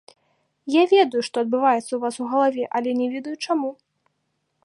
Я ведаю, што адбываецца ў вас у галаве, але не ведаю, чаму.